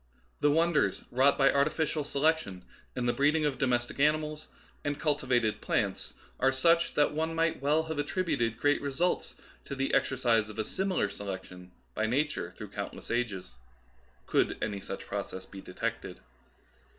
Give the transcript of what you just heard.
The wonders wrought by artificial selection in the breeding of domestic animals and cultivated plants are such that one might well have attrib uted great results to the exercise of a similar se lection by Nature through countless ages, could any such process be detected.